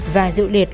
và dự liệt